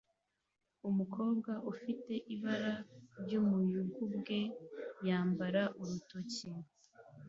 Umukobwa ufite ibara ry'umuyugubwe yambara urutoki